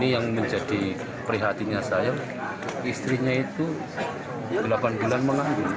yang menjadi prihatinya saya istrinya itu delapan bulan menganggur